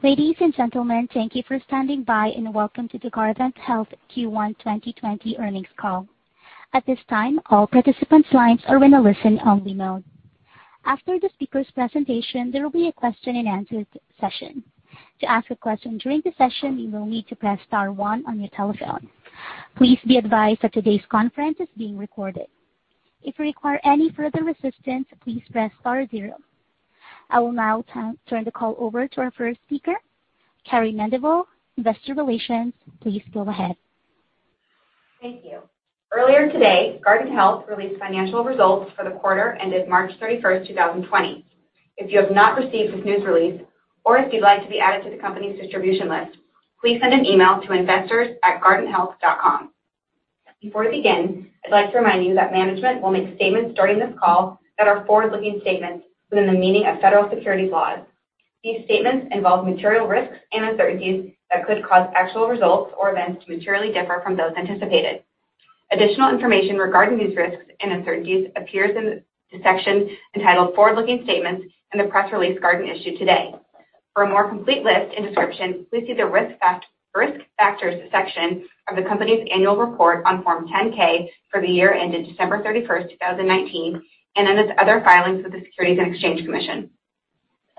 Ladies and gentlemen, thank you for standing by, welcome to the Guardant Health Q1 2020 earnings call. At this time, all participants' lines are in a listen-only mode. After the speakers' presentation, there will be a question-and-answer session. To ask a question during the session, you will need to press star one on your telephone. Please be advised that today's conference is being recorded. If you require any further assistance, please press star zero. I will now turn the call over to our first speaker, Carrie Mendivil, Investor Relations. Please go ahead. Thank you. Earlier today, Guardant Health released financial results for the quarter ended March 31st, 2020. If you have not received this news release, or if you'd like to be added to the company's distribution list, please send an email to investors@guardanthealth.com. Before we begin, I'd like to remind you that management will make statements during this call that are forward-looking statements within the meaning of federal securities laws. These statements involve material risks and uncertainties that could cause actual results or events to materially differ from those anticipated. Additional information regarding these risks and uncertainties appears in the section entitled Forward-Looking Statements in the press release Guardant issued today. For a more complete list and description, please see the Risk Factors section of the company's annual report on Form 10-K for the year ended December 31st, 2019, and in its other filings with the Securities and Exchange Commission.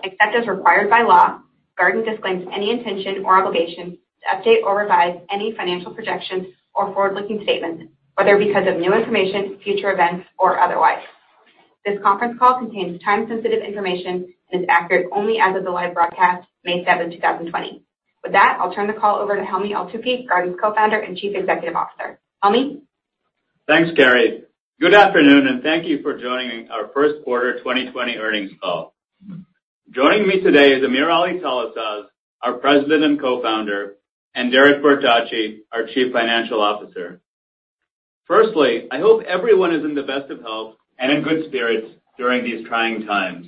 Except as required by law, Guardant disclaims any intention or obligation to update or revise any financial projections or forward-looking statements, whether because of new information, future events, or otherwise. This conference call contains time-sensitive information and is accurate only as of the live broadcast, May 7th, 2020. With that, I'll turn the call over to Helmy Eltoukhy, Guardant's Co-Founder and Chief Executive Officer. Helmy? Thanks, Carrie. Good afternoon, and thank you for joining our first quarter 2020 earnings call. Joining me today is Amir Ali Talasaz, our President and Co-Founder, and Derek Bertocci, our Chief Financial Officer. Firstly, I hope everyone is in the best of health and in good spirits during these trying times.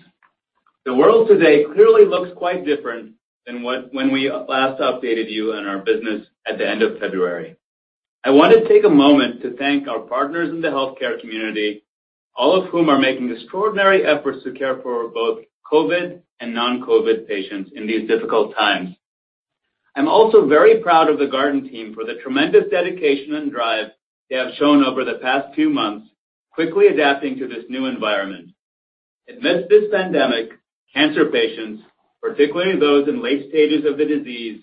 The world today clearly looks quite different than when we last updated you on our business at the end of February. I want to take a moment to thank our partners in the healthcare community, all of whom are making extraordinary efforts to care for both COVID and non-COVID patients in these difficult times. I'm also very proud of the Guardant team for the tremendous dedication and drive they have shown over the past few months, quickly adapting to this new environment. Amidst this pandemic, cancer patients, particularly those in late stages of the disease,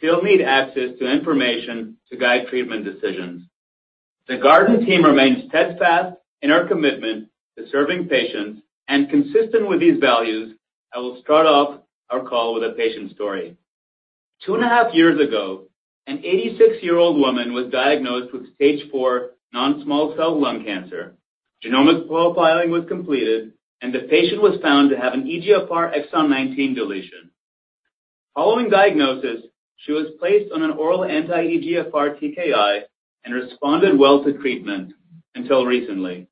still need access to information to guide treatment decisions. The Guardant team remains steadfast in our commitment to serving patients, and consistent with these values, I will start off our call with a patient story. Two and a half years ago, an 86-year-old woman was diagnosed with stage 4 non-small cell lung cancer. Genomic profiling was completed, and the patient was found to have an EGFR exon 19 deletion. Following diagnosis, she was placed on an oral anti-EGFR TKI and responded well to treatment until recently.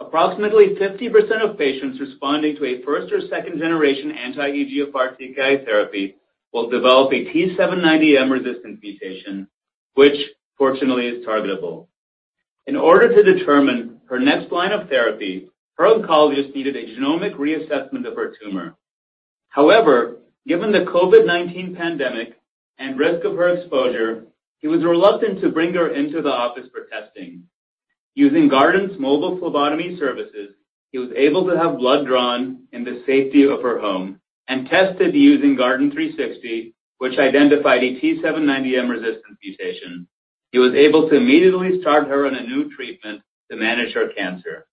Approximately 50% of patients responding to a first or second-generation anti-EGFR TKI therapy will develop a T790M resistance mutation, which fortunately is targetable. In order to determine her next line of therapy, her oncologist needed a genomic reassessment of her tumor. However, given the COVID-19 pandemic and risk of her exposure, he was reluctant to bring her into the office for testing. Using Guardant's mobile phlebotomy services, he was able to have blood drawn in the safety of her home and tested using Guardant360, which identified a T790M resistance mutation. He was able to immediately start her on a new treatment to manage her cancer.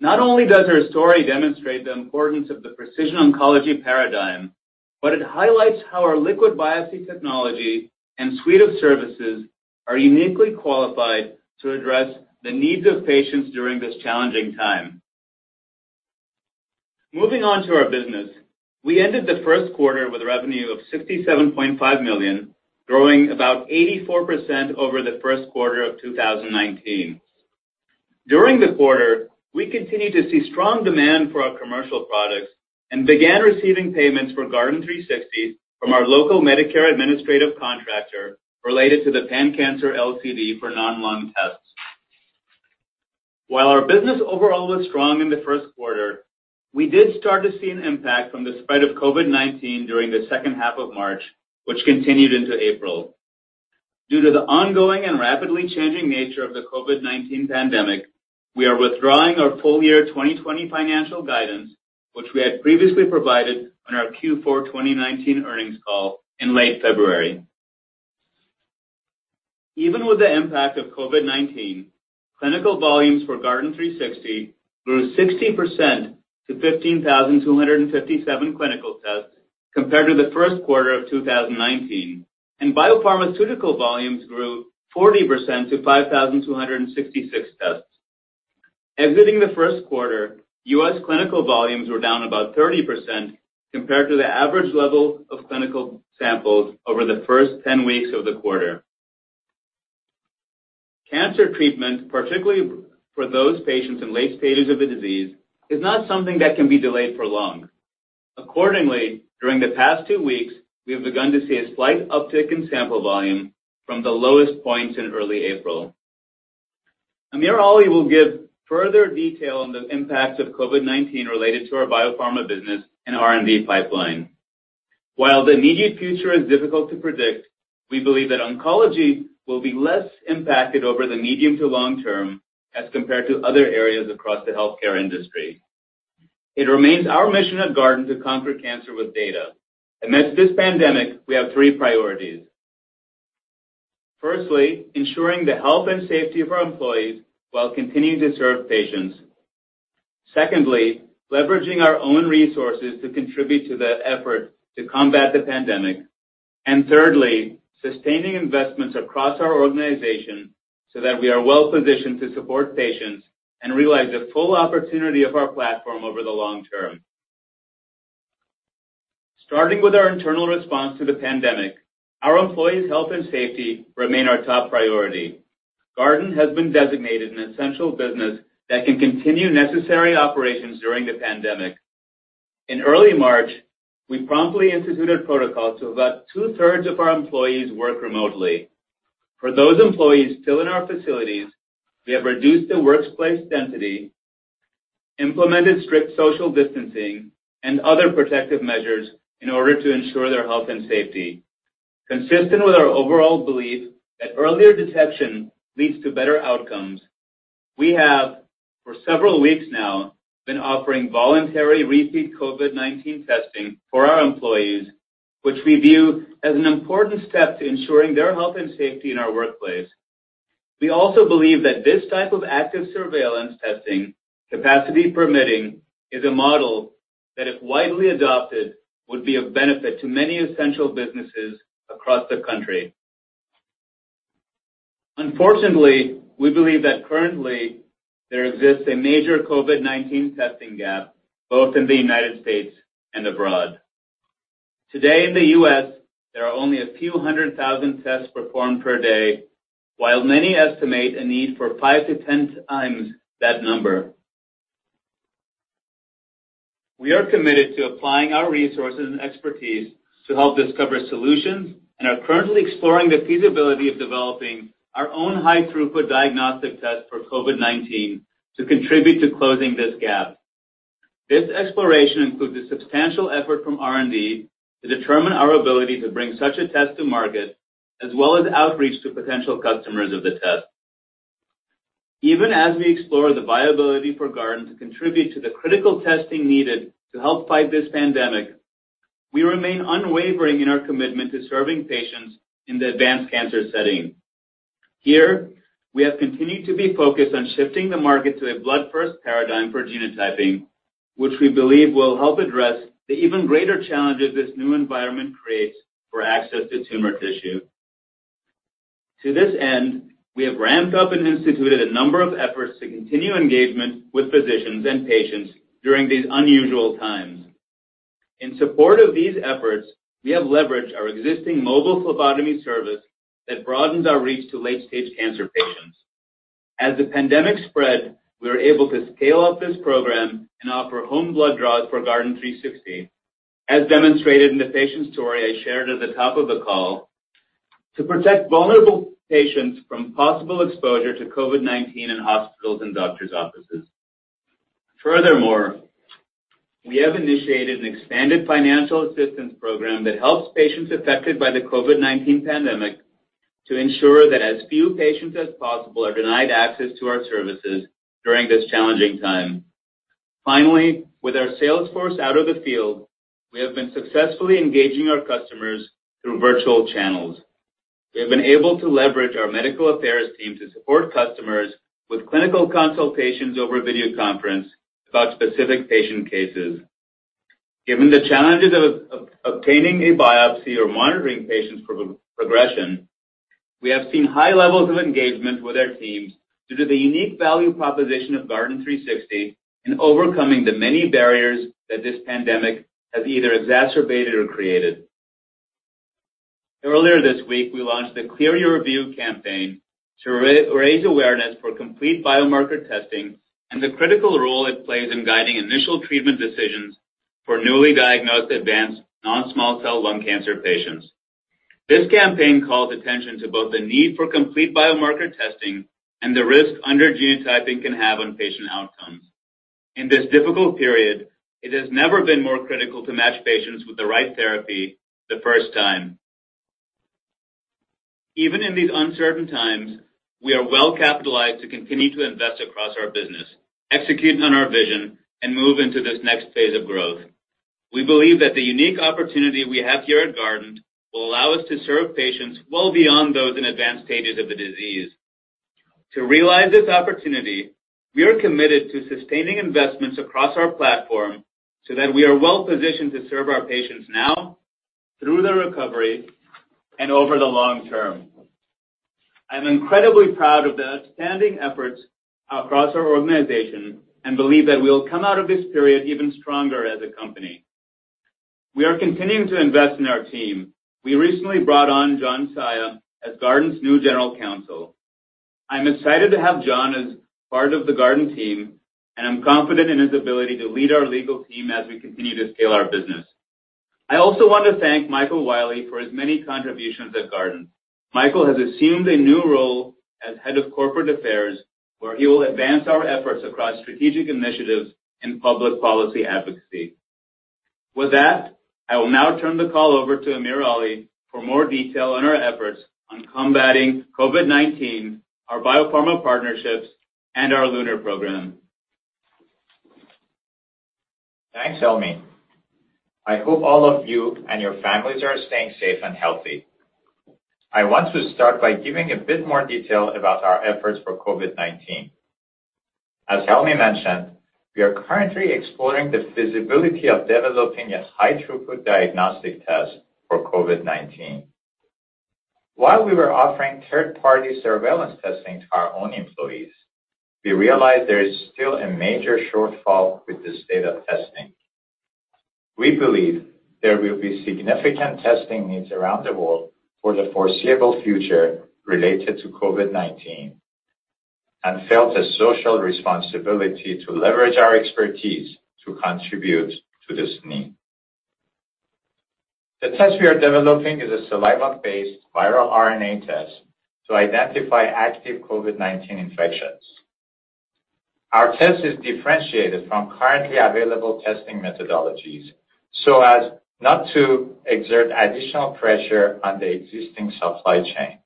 Not only does her story demonstrate the importance of the precision oncology paradigm, it highlights how our liquid biopsy technology and suite of services are uniquely qualified to address the needs of patients during this challenging time. Moving on to our business. We ended the first quarter with revenue of $67.5 million, growing about 84% over the first quarter of 2019. During the quarter, we continued to see strong demand for our commercial products and began receiving payments for Guardant360 from our local Medicare administrative contractor related to the pan-cancer LCD for non-lung tests. While our business overall was strong in the first quarter, we did start to see an impact from the spread of COVID-19 during the second half of March, which continued into April. Due to the ongoing and rapidly changing nature of the COVID-19 pandemic, we are withdrawing our full year 2020 financial guidance, which we had previously provided on our Q4 2019 earnings call in late February. Even with the impact of COVID-19, clinical volumes for Guardant360 grew 60% to 15,257 clinical tests compared to the first quarter of 2019, and biopharmaceutical volumes grew 40% to 5,266 tests. Exiting the first quarter, U.S. clinical volumes were down about 30% compared to the average level of clinical samples over the first 10 weeks of the quarter. Cancer treatment, particularly for those patients in late stages of the disease, is not something that can be delayed for long. Accordingly, during the past two weeks, we have begun to see a slight uptick in sample volume from the lowest points in early April. Amir Ali will give further detail on the impact of COVID-19 related to our biopharma business and R&D pipeline. While the immediate future is difficult to predict, we believe that oncology will be less impacted over the medium to long term as compared to other areas across the healthcare industry. It remains our mission at Guardant to conquer cancer with data. Amidst this pandemic, we have three priorities. Firstly, ensuring the health and safety of our employees while continuing to serve patients. Secondly, leveraging our own resources to contribute to the effort to combat the pandemic. Thirdly, sustaining investments across our organization so that we are well-positioned to support patients and realize the full opportunity of our platform over the long term. Starting with our internal response to the pandemic, our employees' health and safety remain our top priority. Guardant has been designated an essential business that can continue necessary operations during the pandemic. In early March, we promptly instituted protocols to about 2/3 of our employees work remotely. For those employees still in our facilities, we have reduced the workplace density, implemented strict social distancing, and other protective measures in order to ensure their health and safety. Consistent with our overall belief that earlier detection leads to better outcomes, we have, for several weeks now, been offering voluntary repeat COVID-19 testing for our employees, which we view as an important step to ensuring their health and safety in our workplace. We also believe that this type of active surveillance testing, capacity permitting, is a model that, if widely adopted, would be of benefit to many essential businesses across the country. Unfortunately, we believe that currently there exists a major COVID-19 testing gap, both in the United States and abroad. Today in the U.S., there are only a few hundred thousand tests performed per day, while many estimate a need for 5x-10x that number. We are committed to applying our resources and expertise to help discover solutions and are currently exploring the feasibility of developing our own high-throughput diagnostic test for COVID-19 to contribute to closing this gap. This exploration includes a substantial effort from R&D to determine our ability to bring such a test to market, as well as outreach to potential customers of the test. Even as we explore the viability for Guardant to contribute to the critical testing needed to help fight this pandemic, we remain unwavering in our commitment to serving patients in the advanced cancer setting. Here, we have continued to be focused on shifting the market to a blood-first paradigm for genotyping, which we believe will help address the even greater challenges this new environment creates for access to tumor tissue. To this end, we have ramped up and instituted a number of efforts to continue engagement with physicians and patients during these unusual times. In support of these efforts, we have leveraged our existing mobile phlebotomy service that broadens our reach to late-stage cancer patients. As the pandemic spread, we were able to scale up this program and offer home blood draws for Guardant360, as demonstrated in the patient story I shared at the top of the call, to protect vulnerable patients from possible exposure to COVID-19 in hospitals and doctors' offices. Furthermore, we have initiated an expanded financial assistance program that helps patients affected by the COVID-19 pandemic to ensure that as few patients as possible are denied access to our services during this challenging time. Finally, with our sales force out of the field, we have been successfully engaging our customers through virtual channels. We have been able to leverage our medical affairs team to support customers with clinical consultations over video conference about specific patient cases. Given the challenges of obtaining a biopsy or monitoring patients for progression, we have seen high levels of engagement with our teams due to the unique value proposition of Guardant360 in overcoming the many barriers that this pandemic has either exacerbated or created. Earlier this week, we launched the Clear Your View campaign to raise awareness for complete biomarker testing and the critical role it plays in guiding initial treatment decisions for newly diagnosed advanced non-small cell lung cancer patients. This campaign calls attention to both the need for complete biomarker testing and the risk under genotyping can have on patient outcomes. In this difficult period, it has never been more critical to match patients with the right therapy the first time. Even in these uncertain times, we are well-capitalized to continue to invest across our business, execute on our vision, and move into this next phase of growth. We believe that the unique opportunity we have here at Guardant will allow us to serve patients well beyond those in advanced stages of the disease. To realize this opportunity, we are committed to sustaining investments across our platform so that we are well-positioned to serve our patients now, through the recovery, and over the long term. I'm incredibly proud of the outstanding efforts across our organization and believe that we'll come out of this period even stronger as a company. We are continuing to invest in our team. We recently brought on John Saia as Guardant's new General Counsel. I'm excited to have John as part of the Guardant team, and I'm confident in his ability to lead our legal team as we continue to scale our business. I also want to thank Michael Wiley for his many contributions at Guardant. Michael has assumed a new role as Head of Corporate Affairs, where he will advance our efforts across strategic initiatives in public policy advocacy. With that, I will now turn the call over to Amir Ali for more detail on our efforts on combating COVID-19, our biopharma partnerships, and our LUNAR program. Thanks, Helmy. I hope all of you and your families are staying safe and healthy. I want to start by giving a bit more detail about our efforts for COVID-19. As Helmy mentioned, we are currently exploring the feasibility of developing a high-throughput diagnostic test for COVID-19. While we were offering third-party surveillance testing to our own employees, we realized there is still a major shortfall with this data testing. We believe there will be significant testing needs around the world for the foreseeable future related to COVID-19 and felt a social responsibility to leverage our expertise to contribute to this need. The test we are developing is a saliva-based viral RNA test to identify active COVID-19 infections. Our test is differentiated from currently available testing methodologies so as not to exert additional pressure on the existing supply chain.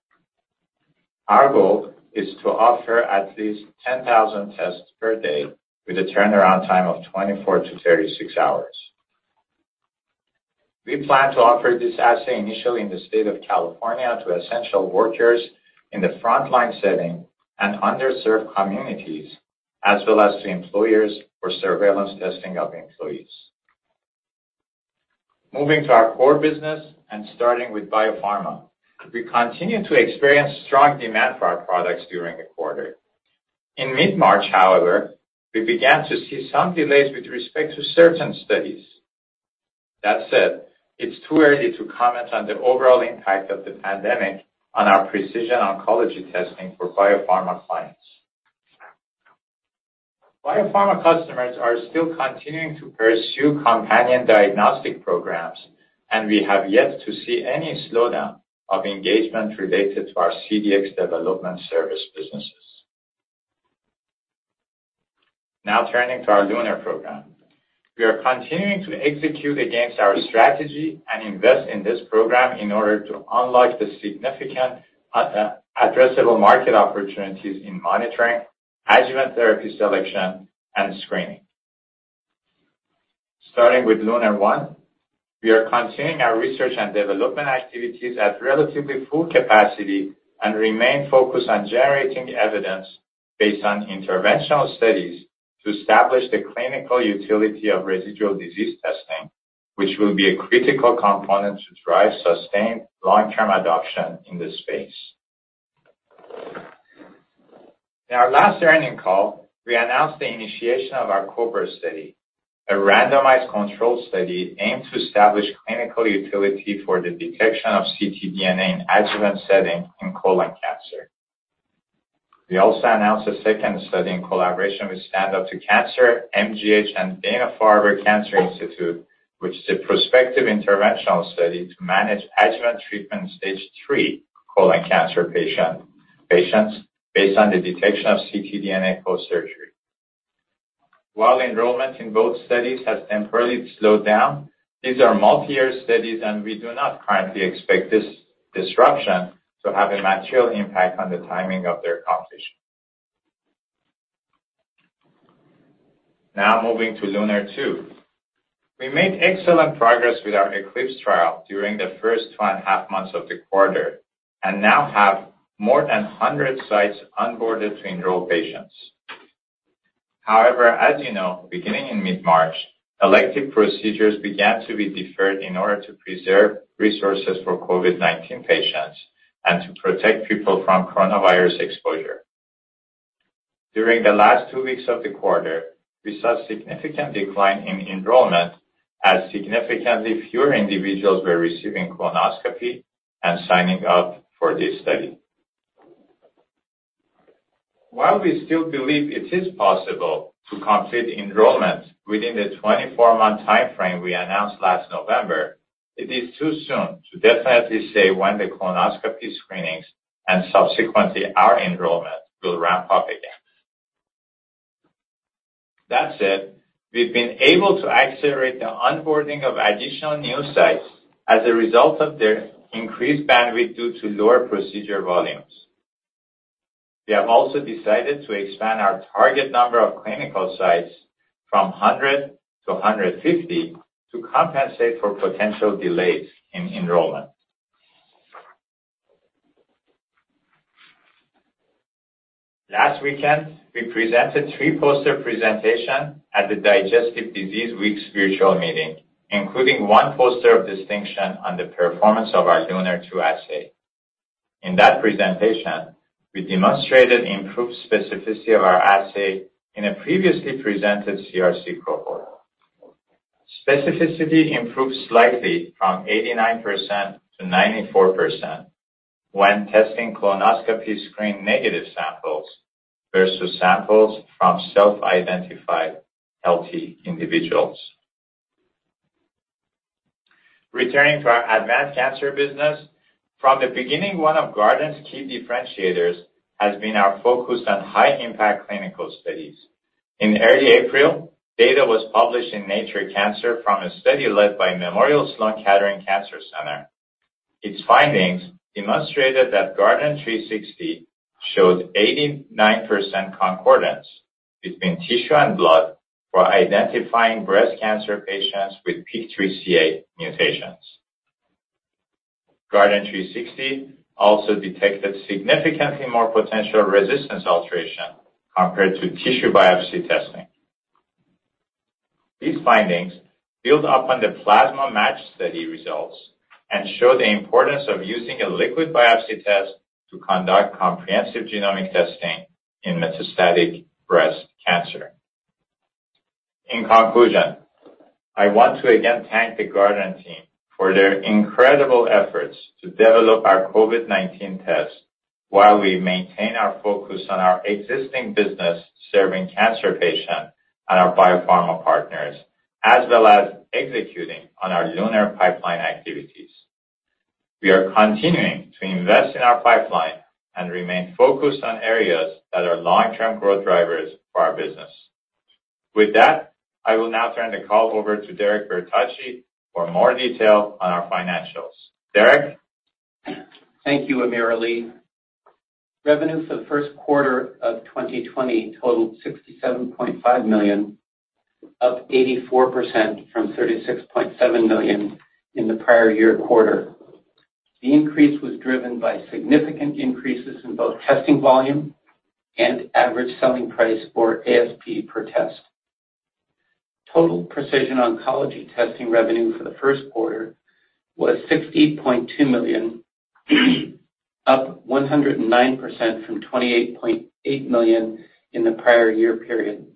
Our goal is to offer at least 10,000 tests per day with a turnaround time of 24-36 hours. We plan to offer this assay initially in the state of California to essential workers in the frontline setting and underserved communities, as well as to employers for surveillance testing of employees. Moving to our core business and starting with biopharma, we continued to experience strong demand for our products during the quarter. In mid-March, however, we began to see some delays with respect to certain studies. That said, it's too early to comment on the overall impact of the pandemic on our precision oncology testing for biopharma clients. Biopharma customers are still continuing to pursue companion diagnostic programs, and we have yet to see any slowdown of engagement related to our CDx development service businesses. Now turning to our LUNAR program. We are continuing to execute against our strategy and invest in this program in order to unlock the significant addressable market opportunities in monitoring, adjuvant therapy selection, and screening. Starting with LUNAR-1, we are continuing our research and development activities at relatively full capacity and remain focused on generating evidence based on interventional studies to establish the clinical utility of residual disease testing, which will be a critical component to drive sustained long-term adoption in this space. In our last earnings call, we announced the initiation of our COBRA study, a randomized control study aimed to establish clinical utility for the detection of ctDNA in adjuvant setting in colon cancer. We also announced a second study in collaboration with Stand Up To Cancer, MGH, and Dana-Farber Cancer Institute, which is a prospective interventional study to manage adjuvant treatment stage 3 colon cancer patients based on the detection of ctDNA post-surgery. While enrollment in both studies has temporarily slowed down, these are multi-year studies, and we do not currently expect this disruption to have a material impact on the timing of their completion. Now, moving to LUNAR-2. We made excellent progress with our ECLIPSE trial during the first 2.5 months of the quarter and now have more than 100 sites onboarded to enroll patients. However, as you know, beginning in mid-March, elective procedures began to be deferred in order to preserve resources for COVID-19 patients and to protect people from coronavirus exposure. During the last two weeks of the quarter, we saw significant decline in enrollment as significantly fewer individuals were receiving colonoscopy and signing up for this study. While we still believe it is possible to complete enrollment within the 24-month timeframe we announced last November, it is too soon to definitely say when the colonoscopy screenings and subsequently our enrollment will ramp up again. That said, we've been able to accelerate the onboarding of additional new sites as a result of their increased bandwidth due to lower procedure volumes. We have also decided to expand our target number of clinical sites from 100 to 150 to compensate for potential delays in enrollment. Last weekend, we presented three poster presentation at the Digestive Disease Week Virtual Meeting, including one poster of distinction on the performance of our LUNAR-2 assay. In that presentation, we demonstrated improved specificity of our assay in a previously presented CRC cohort. Specificity improved slightly from 89% to 94% when testing colonoscopy screen negative samples versus samples from self-identified healthy individuals. Returning to our advanced cancer business. From the beginning, one of Guardant's key differentiators has been our focus on high-impact clinical studies. In early April, data was published in Nature Cancer from a study led by Memorial Sloan Kettering Cancer Center. Its findings demonstrated that Guardant360 showed 89% concordance between tissue and blood for identifying breast cancer patients with PIK3CA mutations. Guardant360 also detected significantly more potential resistance alteration compared to tissue biopsy testing. These findings build up on the plasmaMATCH study results and show the importance of using a liquid biopsy test to conduct comprehensive genomic testing in metastatic breast cancer. In conclusion, I want to again thank the Guardant team for their incredible efforts to develop our COVID-19 test while we maintain our focus on our existing business serving cancer patients and our biopharma partners, as well as executing on our LUNAR pipeline activities. We are continuing to invest in our pipeline and remain focused on areas that are long-term growth drivers for our business. With that, I will now turn the call over to Derek Bertocci for more detail on our financials. Derek? Thank you, Amir Ali. Revenue for the first quarter of 2020 totaled $67.5 million, up 84% from $36.7 million in the prior year quarter. The increase was driven by significant increases in both testing volume and average selling price, or ASP, per test. Total precision oncology testing revenue for the first quarter was $60.2 million, up 109% from $28.8 million in the prior year period.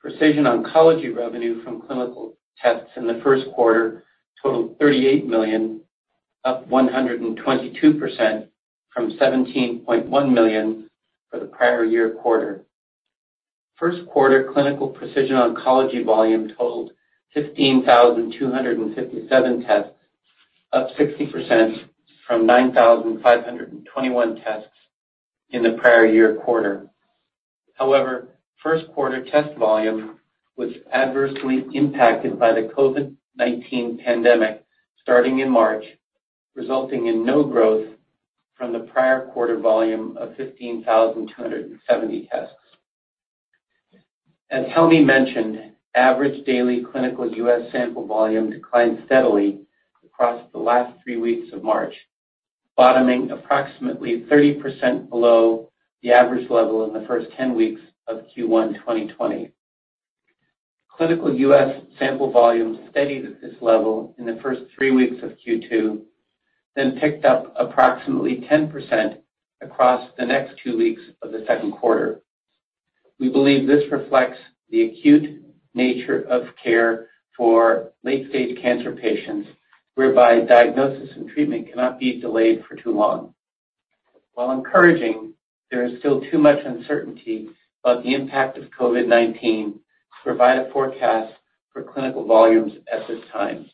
Precision oncology revenue from clinical tests in the first quarter totaled $38 million, up 122% from $17.1 million for the prior year quarter. First quarter clinical precision oncology volume totaled 15,257 tests, up 60% from 9,521 tests in the prior year quarter. However, first quarter test volume was adversely impacted by the COVID-19 pandemic starting in March, resulting in no growth from the prior quarter volume of 15,270 tests. As Helmy mentioned, average daily clinical U.S. sample volume declined steadily across the last three weeks of March, bottoming approximately 30% below the average level in the first 10 weeks of Q1 2020. Clinical U.S. sample volume steadied at this level in the first three weeks of Q2, then picked up approximately 10% across the next two weeks of the second quarter. We believe this reflects the acute nature of care for late-stage cancer patients, whereby diagnosis and treatment cannot be delayed for too long. While encouraging, there is still too much uncertainty about the impact of COVID-19 to provide a forecast for clinical volumes at this time.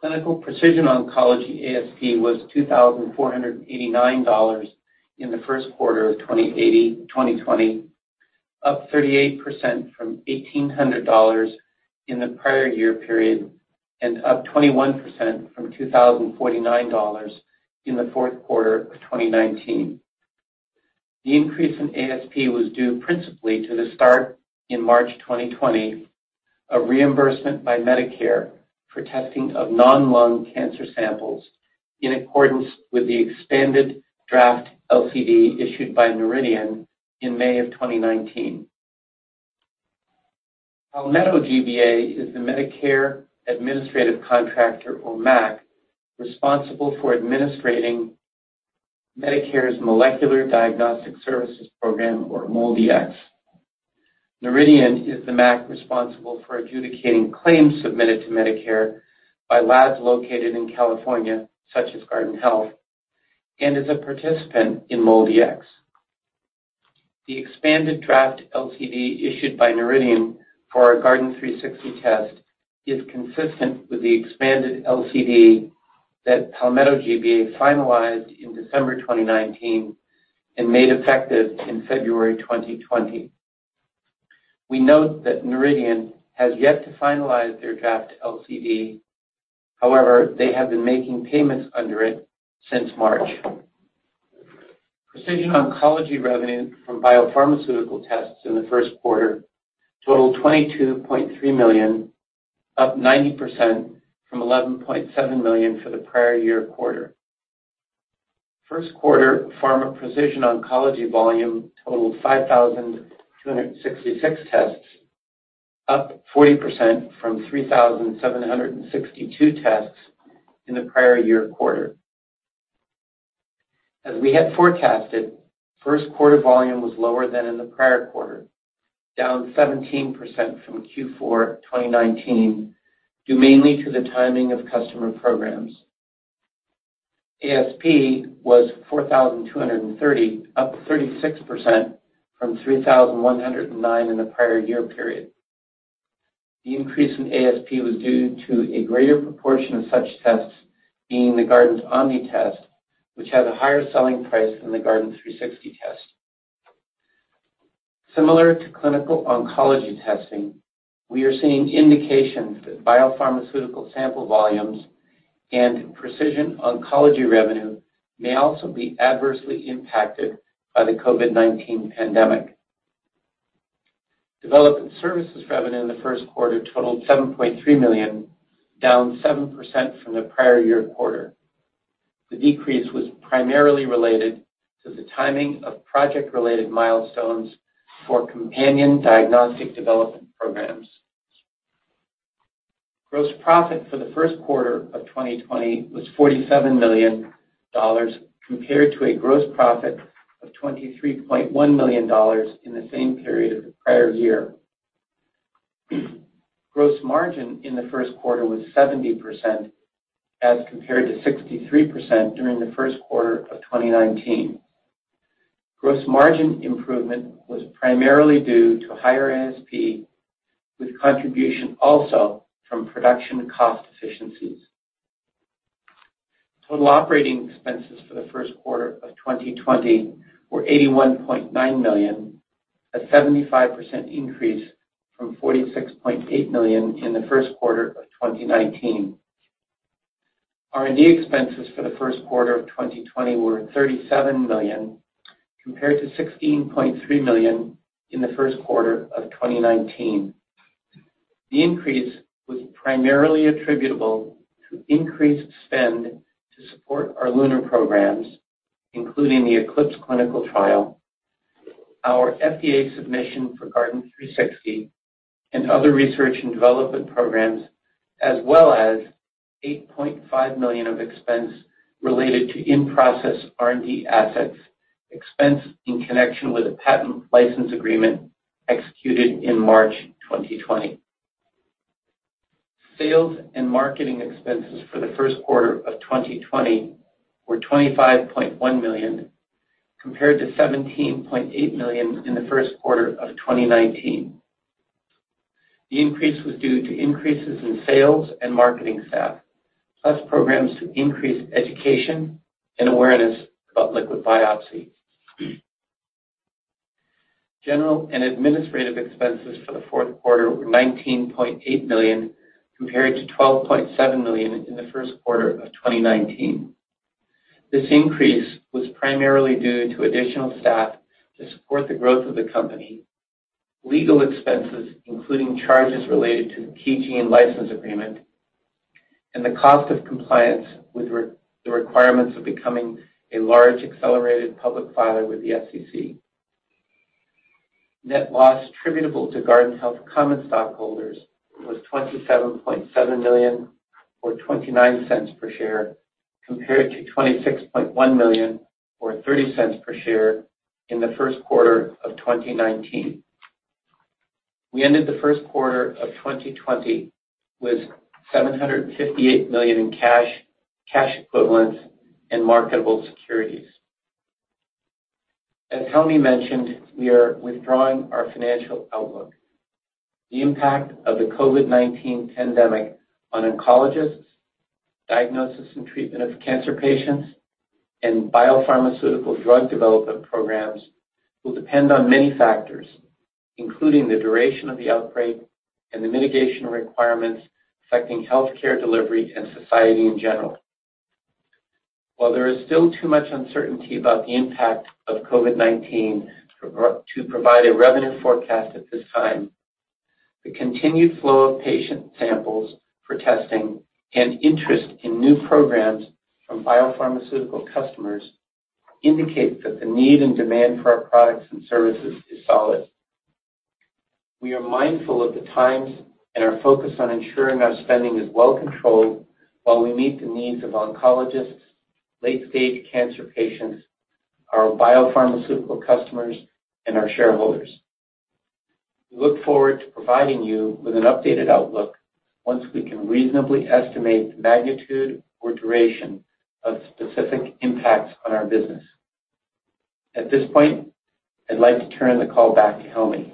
Clinical precision oncology ASP was $2,489 in the first quarter of 2020, up 38% from $1,800 in the prior year period and up 21% from $2,049 in the fourth quarter of 2019. The increase in ASP was due principally to the start in March 2020 of reimbursement by Medicare for testing of non-lung cancer samples in accordance with the expanded draft LCD issued by Noridian in May of 2019. Palmetto GBA is the Medicare Administrative Contractor, or MAC, responsible for administrating Medicare's Molecular Diagnostic Services program, or MolDx. Noridian is the MAC responsible for adjudicating claims submitted to Medicare by labs located in California, such as Guardant Health, and is a participant in MolDx. The expanded draft LCD issued by Noridian for our Guardant360 test is consistent with the expanded LCD that Palmetto GBA finalized in December 2019 and made effective in February 2020. We note that Noridian has yet to finalize their draft LCD. However, they have been making payments under it since March. Precision oncology revenue from biopharmaceutical tests in the first quarter totaled $22.3 million, up 90% from $11.7 million for the prior year quarter. First quarter pharma precision oncology volume totaled 5,266 tests, up 40% from 3,762 tests in the prior year quarter. As we had forecasted, first quarter volume was lower than in the prior quarter, down 17% from Q4 2019, due mainly to the timing of customer programs. ASP was $4,230, up 36% from $3,109 in the prior year period. The increase in ASP was due to a greater proportion of such tests being the GuardantOMNI test, which has a higher selling price than the Guardant360 test. Similar to clinical oncology testing, we are seeing indications that biopharmaceutical sample volumes and precision oncology revenue may also be adversely impacted by the COVID-19 pandemic. Development services revenue in the first quarter totaled $7.3 million, down 7% from the prior-year quarter. The decrease was primarily related to the timing of project-related milestones for companion diagnostic development programs. Gross profit for the first quarter of 2020 was $47 million, compared to a gross profit of $23.1 million in the same period of the prior year. Gross margin in the first quarter was 70%, as compared to 63% during the first quarter of 2019. Gross margin improvement was primarily due to higher ASP, with contribution also from production cost efficiencies. Total operating expenses for the first quarter of 2020 were $81.9 million, a 75% increase from $46.8 million in the first quarter of 2019. R&D expenses for the first quarter of 2020 were $37 million, compared to $16.3 million in the first quarter of 2019. The increase was primarily attributable to increased spend to support our LUNAR programs, including the ECLIPSE clinical trial, our FDA submission for Guardant360, and other research and development programs, as well as $8.5 million of expense related to in-process R&D assets, expense in connection with a patent license agreement executed in March 2020. Sales and marketing expenses for the first quarter of 2020 were $25.1 million, compared to $17.8 million in the first quarter of 2019. The increase was due to increases in sales and marketing staff, plus programs to increase education and awareness about liquid biopsy. General and administrative expenses for the fourth quarter were $19.8 million, compared to $12.7 million in the first quarter of 2019. This increase was primarily due to additional staff to support the growth of the company, legal expenses, including charges related to the KeyGene license agreement, and the cost of compliance with the requirements of becoming a large accelerated public filer with the SEC. Net loss attributable to Guardant Health common stockholders was $27.7 million, or $0.29 per share, compared to $26.1 million, or $0.30 per share in the first quarter of 2019. We ended the first quarter of 2020 with $758 million in cash, cash equivalents, and marketable securities. As Helmy mentioned, we are withdrawing our financial outlook. The impact of the COVID-19 pandemic on oncologists, diagnosis and treatment of cancer patients, and biopharmaceutical drug development programs will depend on many factors, including the duration of the outbreak and the mitigation requirements affecting healthcare delivery and society in general. While there is still too much uncertainty about the impact of COVID-19 to provide a revenue forecast at this time, the continued flow of patient samples for testing and interest in new programs from biopharmaceutical customers indicates that the need and demand for our products and services is solid. We are mindful of the times and are focused on ensuring our spending is well controlled while we meet the needs of oncologists, late-stage cancer patients, our biopharmaceutical customers, and our shareholders. We look forward to providing you with an updated outlook once we can reasonably estimate the magnitude or duration of specific impacts on our business. At this point, I'd like to turn the call back to Helmy.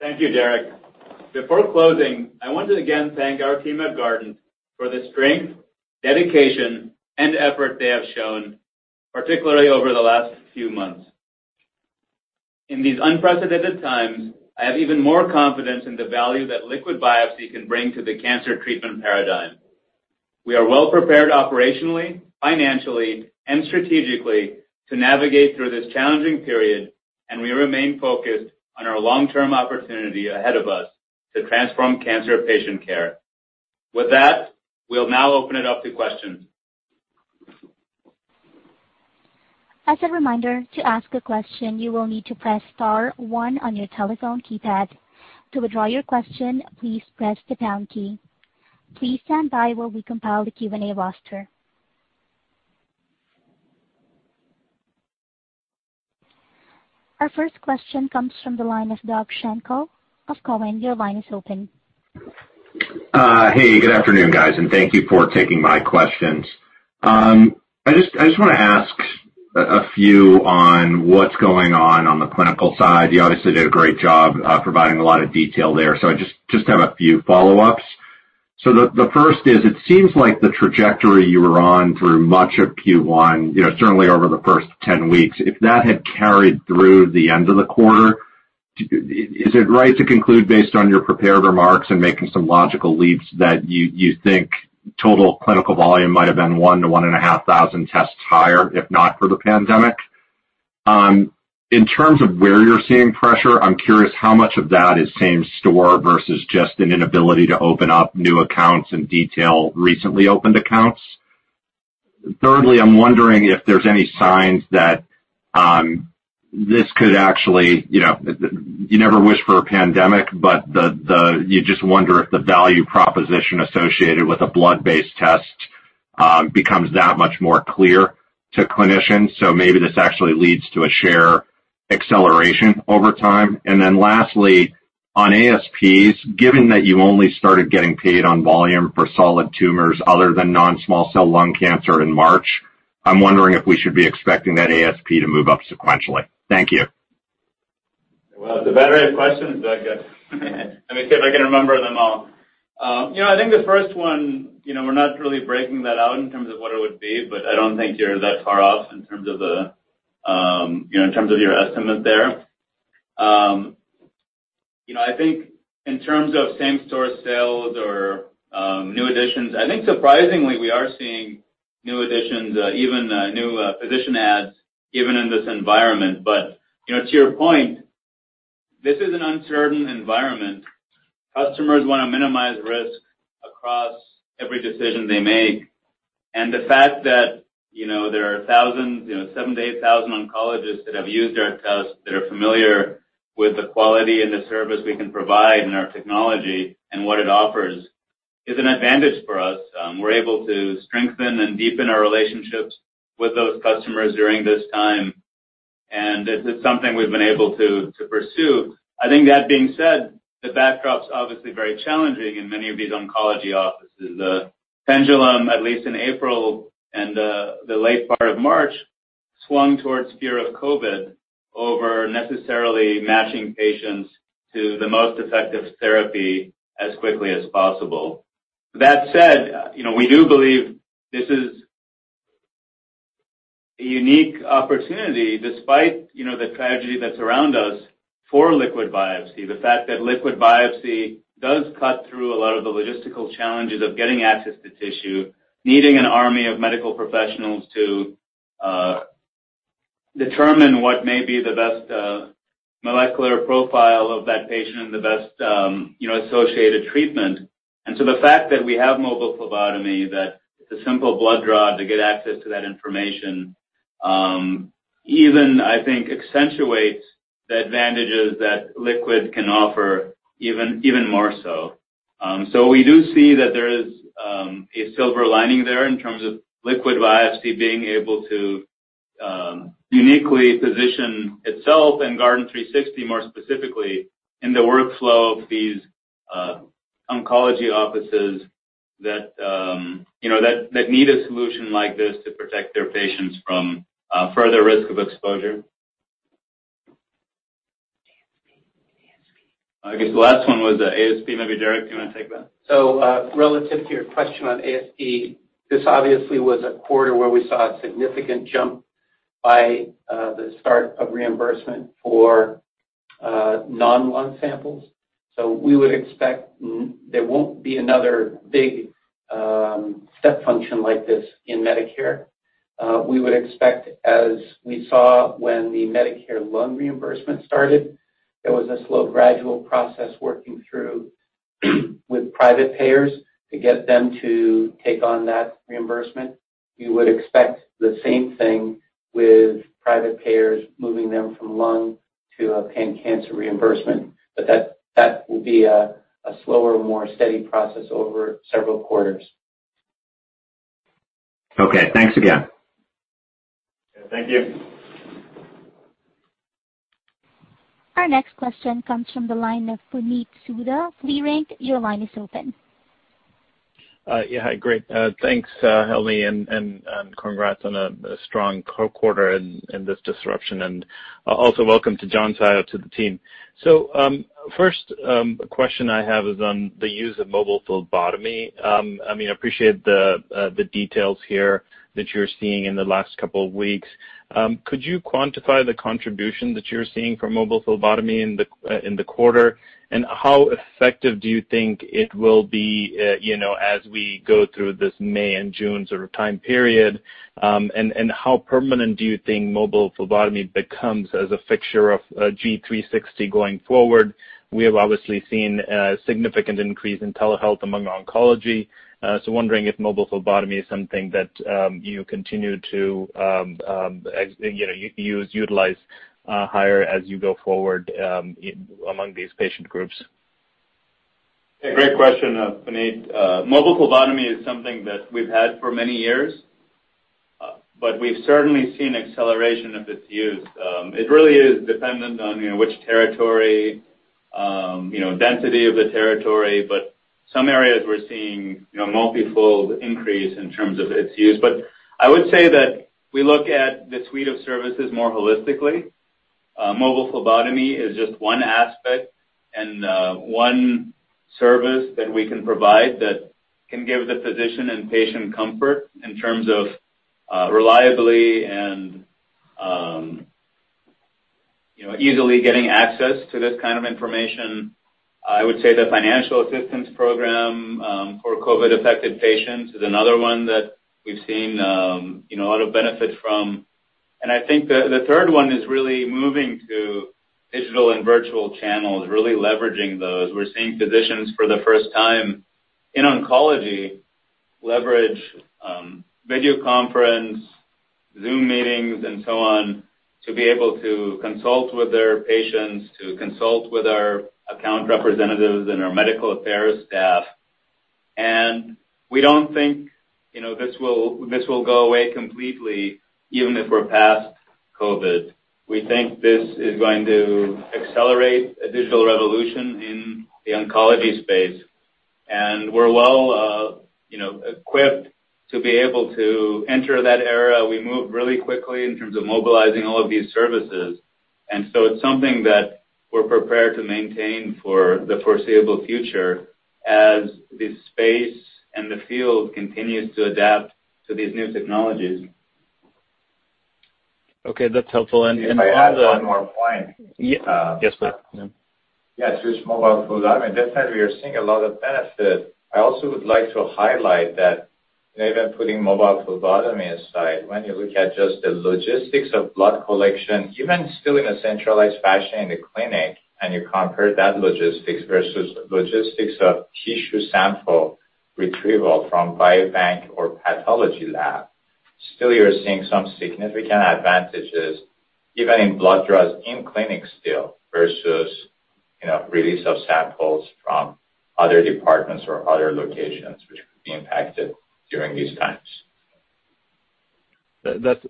Thank you, Derek. Before closing, I want to again thank our team at Guardant for the strength, dedication, and effort they have shown, particularly over the last few months. In these unprecedented times, I have even more confidence in the value that liquid biopsy can bring to the cancer treatment paradigm. We are well prepared operationally, financially, and strategically to navigate through this challenging period, and we remain focused on our long-term opportunity ahead of us to transform cancer patient care. With that, we'll now open it up to questions. As a reminder, to ask a question, you will need to press star one on your telephone keypad. To withdraw your question, please press the pound key. Please stand by while we compile the Q&A roster. Our first question comes from the line of Doug Schenkel of Cowen. Your line is open. Hey, good afternoon, guys. Thank you for taking my questions. I just want to ask a few on what's going on on the clinical side. You obviously did a great job providing a lot of detail there. I just have a few follow-ups. The first is, it seems like the trajectory you were on through much of Q1, certainly over the first 10 weeks, if that had carried through the end of the quarter, is it right to conclude based on your prepared remarks and making some logical leaps that you think total clinical volume might have been 1,000-1,500 tests higher, if not for the pandemic? In terms of where you're seeing pressure, I'm curious how much of that is same store versus just an inability to open up new accounts and detail recently opened accounts. Thirdly, I'm wondering if there's any signs that this could actually, you never wish for a pandemic, but you just wonder if the value proposition associated with a blood-based test becomes that much more clear to clinicians. Maybe this actually leads to a share acceleration over time. Lastly, on ASPs, given that you only started getting paid on volume for solid tumors other than non-small cell lung cancer in March, I'm wondering if we should be expecting that ASP to move up sequentially. Thank you. Well, that's an array of questions, Doug. Let me see if I can remember them all. I think the first one, we're not really breaking that out in terms of what it would be, but I don't think you're that far off in terms of your estimate there. I think in terms of same store sales or new additions, I think surprisingly, we are seeing new additions, even new physician adds, even in this environment. To your point, this is an uncertain environment. Customers want to minimize risk across every decision they make. The fact that there are 7,000-8,000 oncologists that have used our tests that are familiar with the quality and the service we can provide and our technology and what it offers is an advantage for us. We're able to strengthen and deepen our relationships with those customers during this time, and it's something we've been able to pursue. That being said, the backdrop's obviously very challenging in many of these oncology offices. The pendulum, at least in April and the late part of March, swung towards fear of COVID over necessarily matching patients to the most effective therapy as quickly as possible. That said, we do believe this is a unique opportunity, despite the tragedy that's around us, for liquid biopsy. The fact that liquid biopsy does cut through a lot of the logistical challenges of getting access to tissue, needing an army of medical professionals to determine what may be the best molecular profile of that patient and the best associated treatment. The fact that we have mobile phlebotomy, that it's a simple blood draw to get access to that information even, I think, accentuates the advantages that liquid can offer even more so. We do see that there is a silver lining there in terms of liquid biopsy being able to uniquely position itself and Guardant360 more specifically in the workflow of these oncology offices that need a solution like this to protect their patients from further risk of exposure. I guess the last one was ASP. Maybe, Derek, do you want to take that? Relative to your question on ASP, this obviously was a quarter where we saw a significant jump by the start of reimbursement for non-lung samples. We would expect there won't be another big step function like this in Medicare. We would expect, as we saw when the Medicare lung reimbursement started, there was a slow gradual process working through with private payers to get them to take on that reimbursement. We would expect the same thing with private payers moving them from lung to a pan-cancer reimbursement. That will be a slower, more steady process over several quarters. Okay, thanks again. Thank you. Our next question comes from the line of Puneet Souda, Leerink, your line is open. Hi, great. Thanks, Helmy, congrats on a strong quarter in this disruption, also welcome to John Saia to the team. First question I have is on the use of mobile phlebotomy. I appreciate the details here that you're seeing in the last couple of weeks. Could you quantify the contribution that you're seeing from mobile phlebotomy in the quarter, how effective do you think it will be as we go through this May and June time period? How permanent do you think mobile phlebotomy becomes as a fixture of G360 going forward? We have obviously seen a significant increase in telehealth among oncology. Wondering if mobile phlebotomy is something that you continue to utilize higher as you go forward among these patient groups. A great question, Puneet. Mobile phlebotomy is something that we've had for many years, but we've certainly seen acceleration of its use. It really is dependent on which territory, the density of a territory but some areas we're seeing multi-fold increase in terms of its use. I would say that we look at the suite of services more holistically. Mobile phlebotomy is just one aspect and one service that we can provide that can give the physician and patient comfort in terms of reliably and easily getting access to this kind of information. I would say the financial assistance program for COVID-affected patients is another one that we've seen a lot of benefit from. I think the third one is really moving to digital and virtual channels, really leveraging those. We're seeing physicians for the first time in oncology leverage video conference, Zoom meetings, and so on, to be able to consult with their patients, to consult with our account representatives and our medical affairs staff. We don't think this will go away completely, even if we're past COVID. We think this is going to accelerate a digital revolution in the oncology space, and we're well-equipped to be able to enter that era. We moved really quickly in terms of mobilizing all of these services, and so it's something that we're prepared to maintain for the foreseeable future as the space and the field continues to adapt to these new technologies. Okay, that's helpful. If I add one more point. Yes, please. Yes, with mobile phlebotomy, definitely we are seeing a lot of benefit. I also would like to highlight that even putting mobile phlebotomy aside, when you look at just the logistics of blood collection, even still in a centralized fashion in the clinic, and you compare that logistics versus logistics of tissue sample retrieval from biobank or pathology lab, still you're seeing some significant advantages, even in blood draws in clinic still versus release of samples from other departments or other locations, which could be impacted during these times.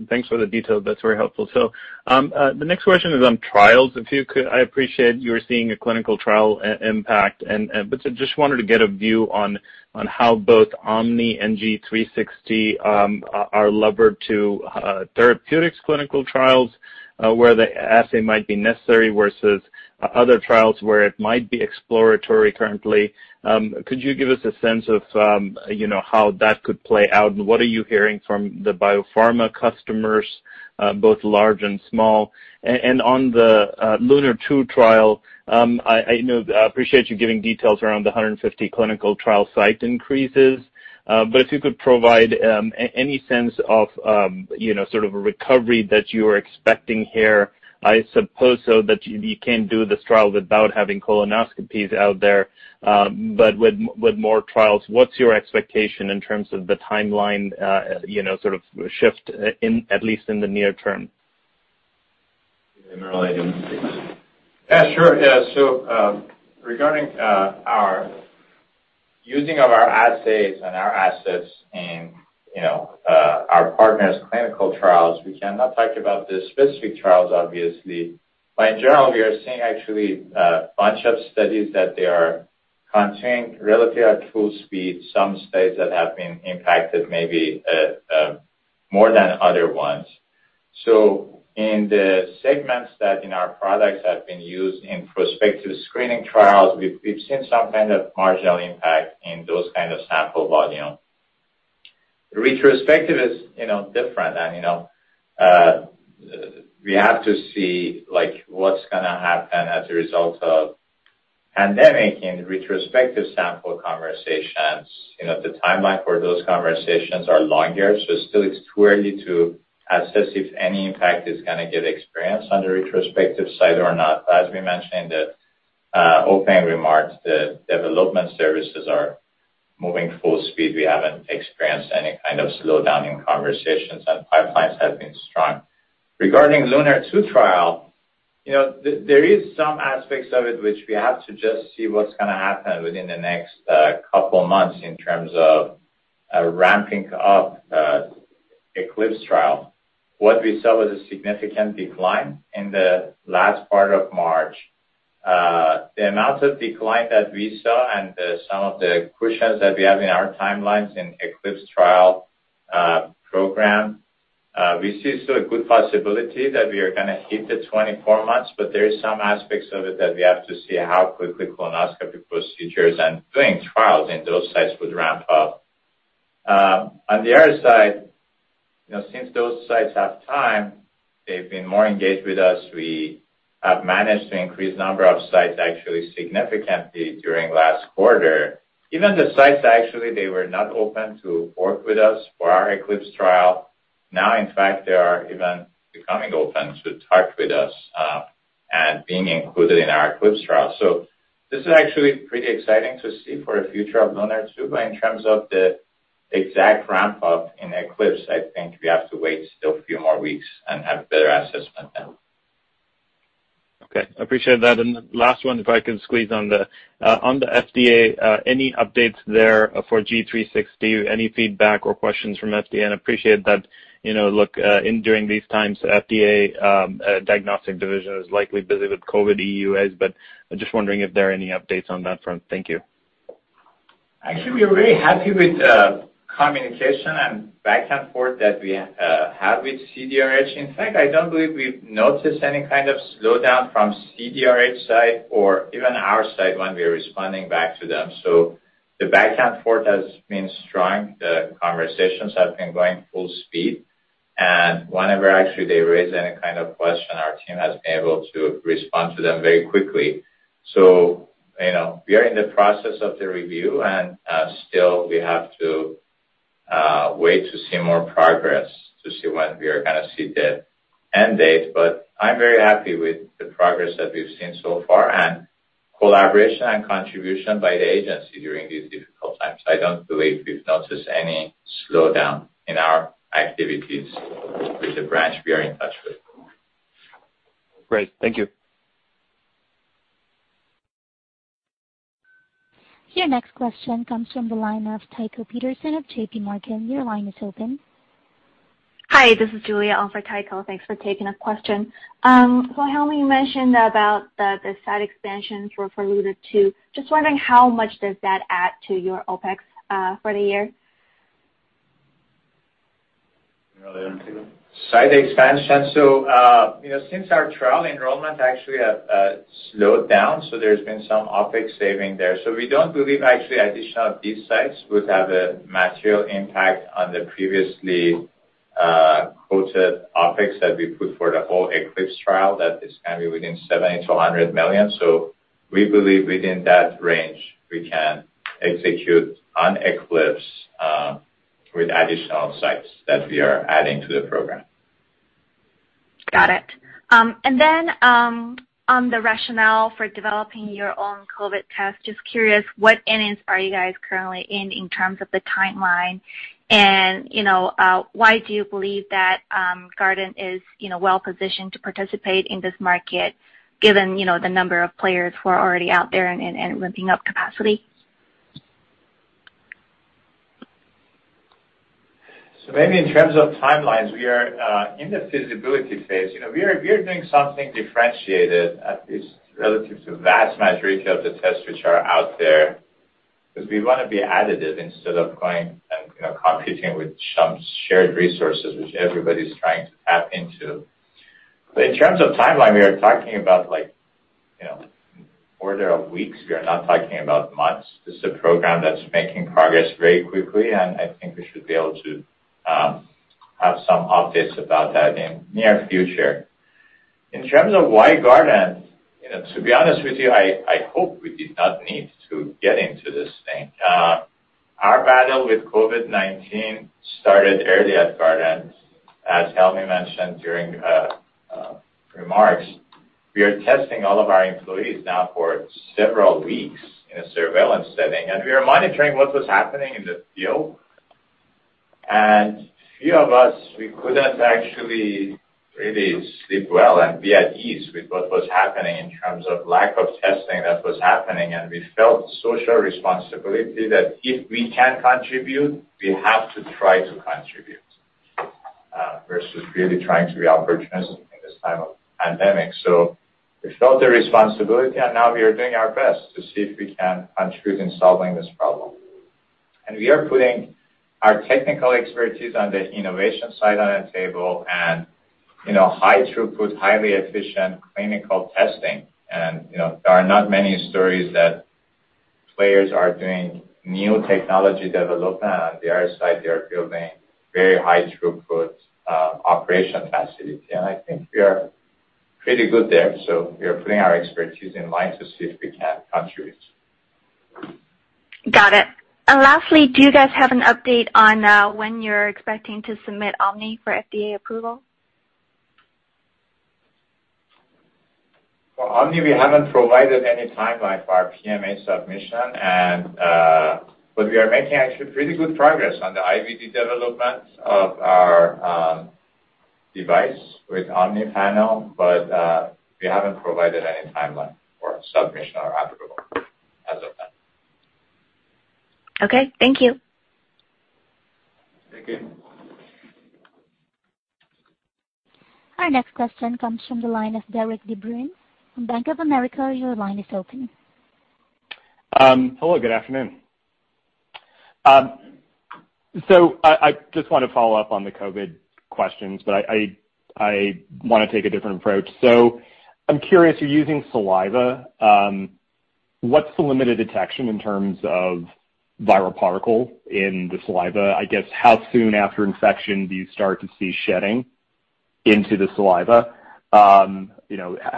Thanks for the detail. That's very helpful. The next question is on trials. I appreciate you were seeing a clinical trial impact, but just wanted to get a view on how both OMNI and G360 are levered to therapeutics clinical trials, where the assay might be necessary versus other trials where it might be exploratory currently. Could you give us a sense of how that could play out, and what are you hearing from the biopharma customers, both large and small? On the LUNAR-2 trial, I appreciate you giving details around the 150 clinical trial site increases, but if you could provide any sense of sort of a recovery that you are expecting here. I suppose, though, that you can't do this trial without having colonoscopies out there. With more trials, what's your expectation in terms of the timeline sort of shift, at least in the near term? Sure. Regarding our using of our assays and our assets in our partners' clinical trials, we cannot talk about the specific trials, obviously. In general, we are seeing actually a bunch of studies that they are continuing relatively at full speed, some studies that have been impacted maybe more than other ones. In the segments that in our products have been used in prospective screening trials, we've seen some kind of marginal impact in those kind of sample volume. Retrospective is different and we have to see what's going to happen as a result of pandemic in retrospective sample conversations. The timeline for those conversations are longer, so still it's too early to assess if any impact is going to get experienced on the retrospective side or not. As we mentioned in the opening remarks, the development services are moving full speed. We haven't experienced any kind of slowdown in conversations, and pipelines have been strong. Regarding LUNAR-2 trial, there is some aspects of it which we have to just see what's going to happen within the next couple of months in terms of ramping up ECLIPSE trial. What we saw was a significant decline in the last part of March. The amount of decline that we saw and some of the cushions that we have in our timelines in ECLIPSE trial program, we see still a good possibility that we are going to hit the 24 months, but there is some aspects of it that we have to see how quickly colonoscopy procedures and doing trials in those sites would ramp up. On the other side, since those sites have time, they've been more engaged with us. We have managed to increase number of sites actually significantly during last quarter. Even the sites, actually, they were not open to work with us for our ECLIPSE trial. Now, in fact, they are even becoming open to talk with us and being included in our ECLIPSE trial. This is actually pretty exciting to see for the future of LUNAR-2. In terms of the exact ramp-up in ECLIPSE, I think we have to wait still a few more weeks and have better assessment then. Okay, appreciate that. The last one, if I can squeeze on the FDA. Any updates there for G360? Any feedback or questions from FDA? Appreciate that, look, during these times, FDA diagnostic division is likely busy with COVID EUA, but I'm just wondering if there are any updates on that front. Thank you. Actually, we are very happy with communication and back and forth that we have with CDRH. In fact, I don't believe we've noticed any kind of slowdown from CDRH side or even our side when we are responding back to them. The back and forth has been strong. The conversations have been going full speed. Whenever actually they raise any kind of question, our team has been able to respond to them very quickly. We are in the process of the review, and still, we have to wait to see more progress to see when we are going to see the end date. I'm very happy with the progress that we've seen so far and collaboration and contribution by the agency during these difficult times. I don't believe we've noticed any slowdown in our activities with the branch we are in touch with. Great. Thank you. Your next question comes from the line of Tycho Peterson of JPMorgan. Your line is open. Hi, this is Julia on for Tycho. Thanks for taking a question. Helmy mentioned about the site expansions were alluded to. Just wondering how much does that add to your OpEx for the year? Site expansion. Since our trial enrollment actually has slowed down, there's been some OpEx savings there. We don't believe actually additional of these sites would have a material impact on the previously quoted OpEx that we put for the whole ECLIPSE trial that is going to be within $70 million-$100 million. We believe within that range, we can execute on ECLIPSE with additional sites that we are adding to the program. Got it. On the rationale for developing your own COVID test, just curious, what innings are you guys currently in terms of the timeline? Why do you believe that Guardant is well-positioned to participate in this market given the number of players who are already out there and ramping up capacity? Maybe in terms of timelines, we are in the feasibility phase. We are doing something differentiated, at least relative to vast majority of the tests which are out there, because we want to be additive instead of going and competing with some shared resources which everybody's trying to tap into. In terms of timeline, we are talking about order of weeks. We are not talking about months. This is a program that's making progress very quickly, and I think we should be able to have some updates about that in near future. In terms of why Guardant, to be honest with you, I hope we did not need to get into this thing. Our battle with COVID-19 started early at Guardant, as Helmy mentioned during remarks. We are testing all of our employees now for several weeks in a surveillance setting, we are monitoring what was happening in the field. Few of us, we couldn't actually really sleep well and be at ease with what was happening in terms of lack of testing that was happening. We felt social responsibility that if we can contribute, we have to try to contribute, versus really trying to be opportunistic in this time of pandemic. We felt the responsibility, now we are doing our best to see if we can contribute in solving this problem. We are putting our technical expertise on the innovation side on the table and high-throughput, highly efficient clinical testing. There are not many stories that players are doing new technology development. On the other side, they are building very high throughput operation facility. I think we are pretty good there. We are putting our expertise in line to see if we can contribute. Got it. Lastly, do you guys have an update on when you're expecting to submit OMNI for FDA approval? For OMNI, we haven't provided any timeline for our PMA submission. We are making actually pretty good progress on the IVD development of our device with OMNI panel. We haven't provided any timeline for submission or approval as of now. Okay. Thank you. Thank you. Our next question comes from the line of Derik De Bruin from Bank of America. Your line is open. Hello, good afternoon. I just want to follow up on the COVID questions, but I want to take a different approach. I'm curious, you're using saliva. What's the limit of detection in terms of viral particle in the saliva? I guess, how soon after infection do you start to see shedding into the saliva? How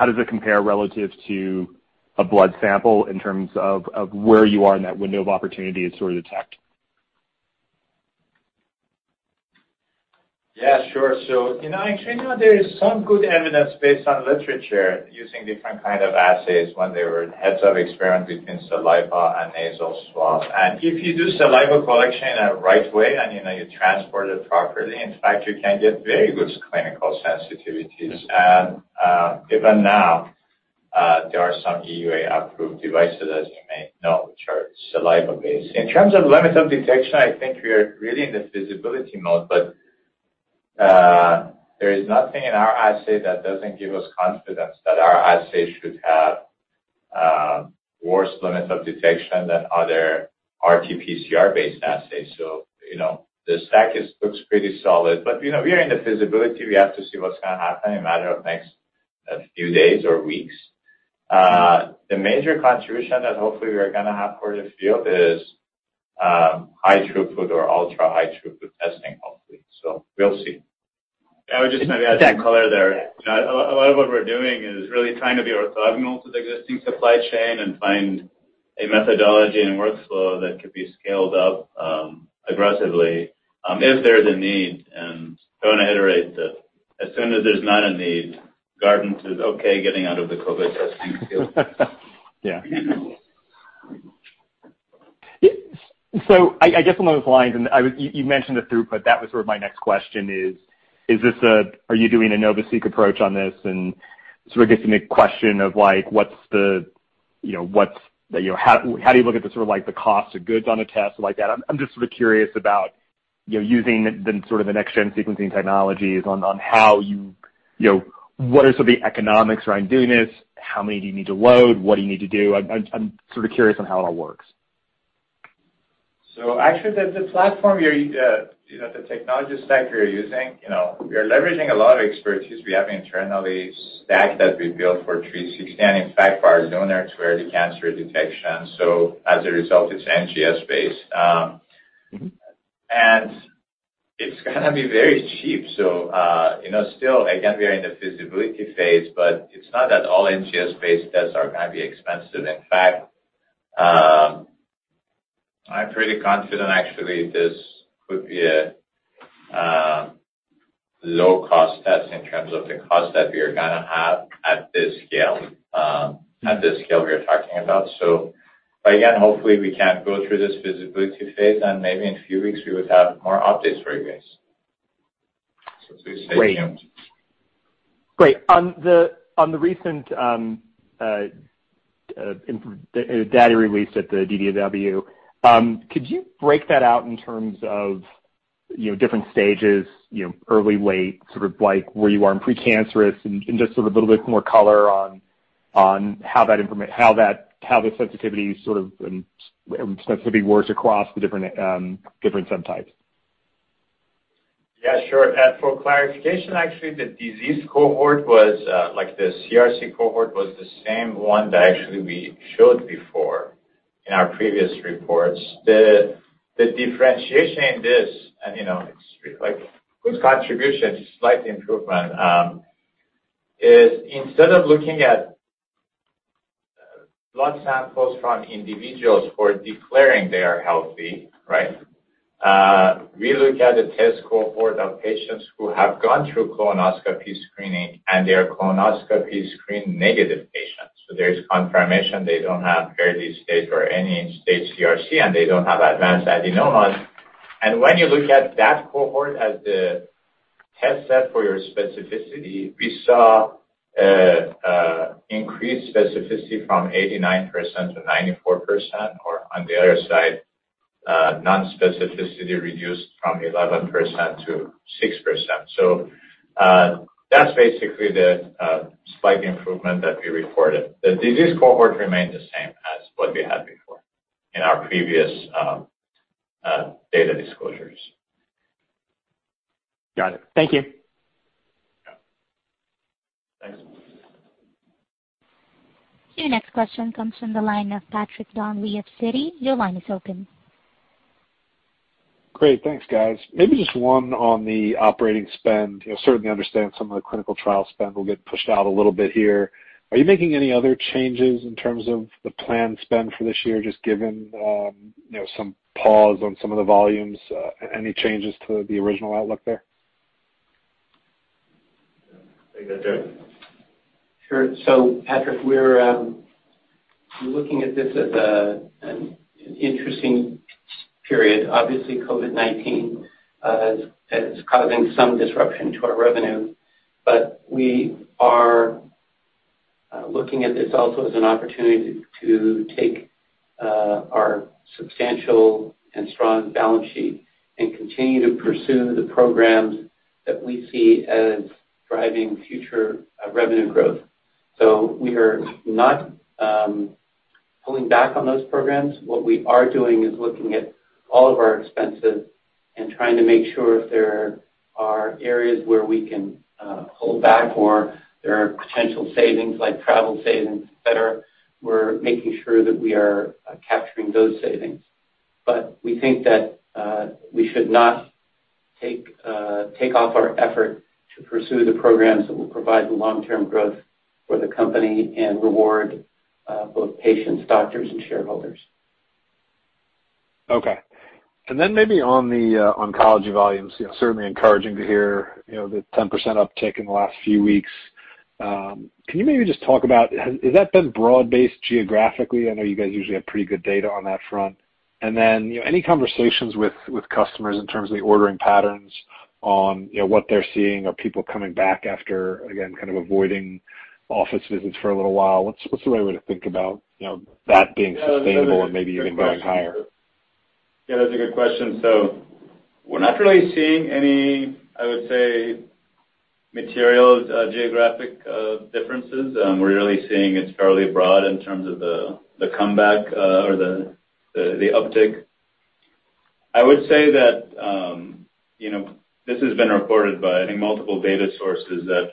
does it compare relative to a blood sample in terms of where you are in that window of opportunity to sort of detect? Yeah, sure. Actually, there is some good evidence based on literature using different kind of assays when there were heads-up experiment between saliva and nasal swab. If you do saliva collection in a right way, and you transport it properly, in fact, you can get very good clinical sensitivities. Even now, there are some EUA-approved devices, as you may know, which are saliva-based. In terms of limit of detection, I think we are really in the feasibility mode, but there is nothing in our assay that doesn't give us confidence that our assay should have worse limits of detection than other RT-PCR-based assays. The stack looks pretty solid. We are in the feasibility. We have to see what's going to happen in a matter of the next few days or weeks. The major contribution that hopefully we are going to have for the field is high-throughput or ultra-high-throughput testing, hopefully. We'll see. I would just maybe add some color there. A lot of what we're doing is really trying to be orthogonal to the existing supply chain and find a methodology and workflow that could be scaled up aggressively if there is a need. I want to reiterate that as soon as there's not a need, Guardant is okay getting out of the COVID testing field. I guess along those lines, and you mentioned the throughput, that was sort of my next question is, are you doing a NovaSeq approach on this? It sort of gets to the question of how do you look at the cost of goods on a test like that? I'm just sort of curious about using the next-gen sequencing technologies on what are some of the economics around doing this? How many do you need to load? What do you need to do? I'm curious on how it all works. Actually,, the platform, the technology stack we are using, we are leveraging a lot of expertise we have internally, stack that we built for 360, and in fact, for our LUNAR-2 early cancer detection. As a result, it's NGS-based. It's going to be very cheap. Still, again, we are in the feasibility phase, but it's not that all NGS-based tests are going to be expensive. In fact, I'm pretty confident, actually, this could be a low-cost test in terms of the cost that we are going to have at this scale we are talking about. Again, hopefully, we can go through this feasibility phase, and maybe in a few weeks, we would have more updates for you guys, so please stay tuned. Great. On the recent data release at the DDW, could you break that out in terms of different stages, early, late, sort of where you are in pre-cancerous and just sort of a little bit more color on how the sensitivity sort of works across the different subtypes? Yeah, sure. For clarification, actually, the disease cohort, the CRC cohort, was the same one that actually we showed before in our previous reports. The differentiation in this, and it's like whose contribution is slight improvement, is instead of looking at blood samples from individuals who are declaring they are healthy, we look at the test cohort of patients who have gone through colonoscopy screening and they are colonoscopy screen-negative patients. There is confirmation they don't have early stage or any stage CRC, and they don't have advanced adenomas. When you look at that cohort as the test set for your specificity, we saw increased specificity from 89% to 94%, or on the other side, non-specificity reduced from 11% to 6%. That's basically the slight improvement that we reported. The disease cohort remained the same as what we had before in our previous data disclosures. Got it. Thank you. Yeah. Thanks. Your next question comes from the line of Patrick Donnelly of Citi. Your line is open. Great. Thanks, guys. Maybe just one on the operating spend. Certainly understand some of the clinical trial spend will get pushed out a little bit here. Are you making any other changes in terms of the planned spend for this year, just given some pause on some of the volumes? Any changes to the original outlook there? Take that, Derek? Sure. Patrick, we're looking at this as an interesting period. Obviously, COVID-19 has caused some disruption to our revenue, we are looking at this also as an opportunity to take our substantial and strong balance sheet and continue to pursue the programs that we see as driving future revenue growth. We are not pulling back on those programs. What we are doing is looking at all of our expenses and trying to make sure if there are areas where we can pull back or there are potential savings, like travel savings, et cetera, we're making sure that we are capturing those savings. We think that we should not take off our effort to pursue the programs that will provide the long-term growth for the company and reward both patients, doctors, and shareholders. Okay. Maybe on the oncology volumes, certainly encouraging to hear the 10% uptick in the last few weeks. Can you maybe just talk about, has that been broad-based geographically? I know you guys usually have pretty good data on that front. Any conversations with customers in terms of the ordering patterns, on what they're seeing, are people coming back after, again, kind of avoiding office visits for a little while? What's the right way to think about that being sustainable and maybe even going higher? Yeah, that's a good question. We're not really seeing any, I would say, material geographic differences. We're really seeing it's fairly broad in terms of the comeback or the uptick. I would say that this has been reported by, I think, multiple data sources, that